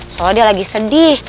soalnya dia lagi sedih